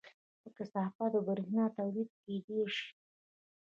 له کثافاتو بریښنا تولید کیدی شي